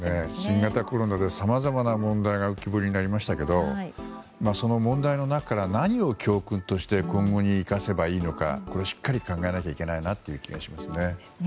新型コロナでさまざまな問題が浮き彫りになりましたがその問題の中から何を教訓として今後に生かせばいいのかしっかり考えなければいけない気がしますね。